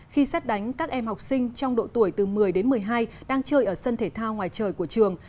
khi xét đánh các em học sinh trong độ tuổi từ một mươi đến một mươi hai đang chơi ở sân thể thao ngoài trời của trường